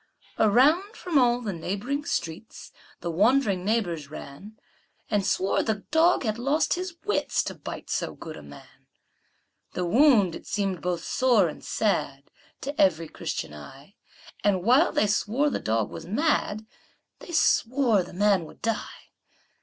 Around from all the neighboring streets The wondering neighbors ran, And swore the dog had lost his wits, To bite so good a man. The wound it seem'd both sore and sad To every Christian eye; And while they swore the dog was mad, They swore the man would die.